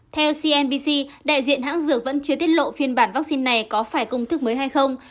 theo cnbc đại diện hãng dược vẫn chưa tiết lộ phiên bản vaccine này có phải công thức mới hay không